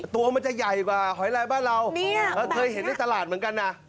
ตัวมันจะใหญ่กว่าหอยลายบ้านเราเคยเห็นในตลาดเหมือนกันนะ